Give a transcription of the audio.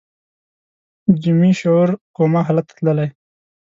جمعي شعور کوما حالت ته تللی